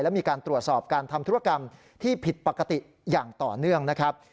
และมีการตรวจสอบการทำธุรกรรมที่ผิดปกติอย่างต่อเนื่องนะครับ